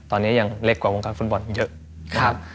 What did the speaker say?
ตอนนี้อย่างเล็กกว่าวงการฟุตบอลเยอะ